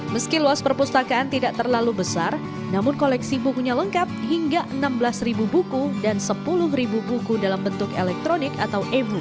meski luas perpustakaan tidak terlalu besar namun koleksi bukunya lengkap hingga enam belas buku dan sepuluh buku dalam bentuk elektronik atau ebu